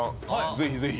ぜひぜひ。